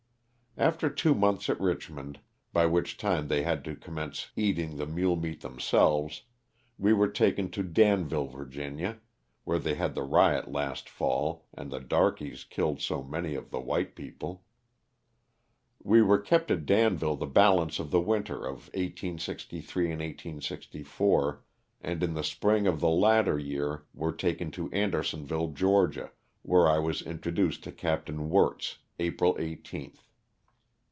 After two months at Richmond, by which time they had to commence eating the mule meat themselves, we were taken to Danville, Va., (where they had the riot last fall and the darkies killed so many of the white people). We were kept at Danville the balance of the winter of 1863 and 1864, and in the spring of the latter year were taken to Andersonville, Ga., where I was in troduced to Capt. Wirtz, April 18th.